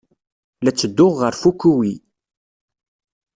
La ttedduɣ ɣer Fukui.